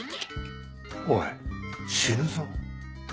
おい死ぬぞ？